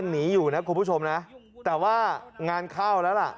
หนีอยู่นะคุณผู้ชมนะแต่ว่างานเข้าแล้วล่ะ